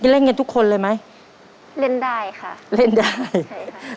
เล่นกันทุกคนเลยไหมเล่นได้ค่ะเล่นได้ใช่ค่ะ